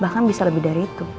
bahkan bisa lebih dari itu